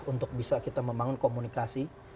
untuk bisa kita membangun komunikasi